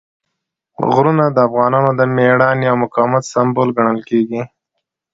غرونه د افغانانو د مېړانې او مقاومت سمبول ګڼل کېږي.